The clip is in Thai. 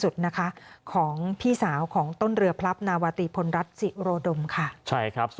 ใช่ครับส่วนภารกิจ